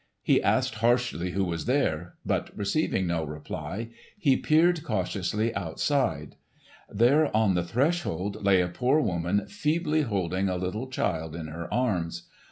He asked harshly who was there, but receiving no reply he peered cautiously outside. There on the threshold lay a poor woman feebly holding a little child in her arms.